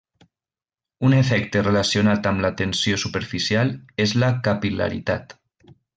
Un efecte relacionat amb la tensió superficial és la capil·laritat.